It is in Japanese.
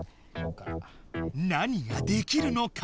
何ができるのか？